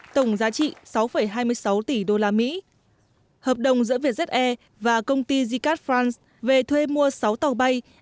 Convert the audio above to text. tổng giá trị sáu hai mươi sáu tỷ usd hợp đồng giữa vietjet air và công ty zikat france về thuê mua sáu tàu bay